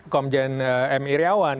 komjen m i iriawan